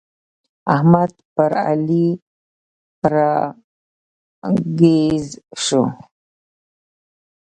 احمد پر علي را ږيز شو.